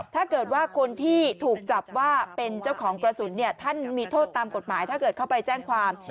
ถ้าเกิดว่าคนที่ถูกจับว่าเป็นเจ้าของกระสุนเนี่ยท่านมีโทษตามกฎหมายถ้าเกิดเข้าไปแจ้งความ